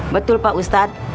betul pak ustadz